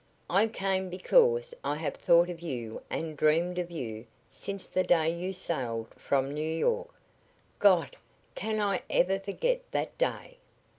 "I came because I have thought of you and dreamed of you since the day you sailed from New York. God, can I ever forget that day!"